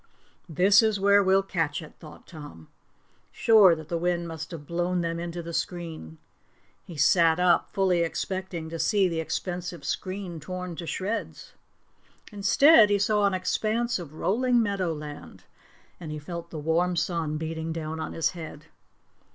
"This is where we'll catch it," thought Tom, sure that the wind must have blown them into the screen. He sat up, fully expecting to see the expensive screen torn to shreds. Instead he saw an expanse of rolling meadowland, and he felt the warm sun beating down on his head.